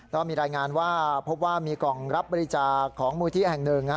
ก็มีรายงานว่าพบว่ามีกล่องรับบริจาคของมูลที่แห่งหนึ่ง